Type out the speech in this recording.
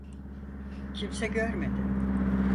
Kimse görmedi.